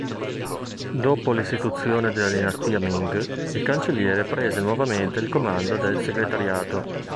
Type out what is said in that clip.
Dopo l'istituzione della dinastia Ming, il Cancelliere prese nuovamente il comando del Segretariato.